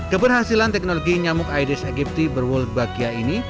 keberhasilan teknologi nyamuk aedes aegypti berwolbakia ini